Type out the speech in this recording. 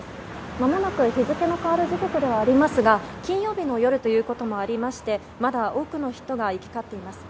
まもなく日付が変わる時刻ではありますが金曜日の夜ということもありましてまだ多くの人が行き交っています。